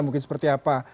mungkin seperti apa